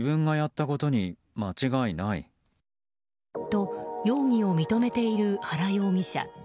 と、容疑を認めている原容疑者。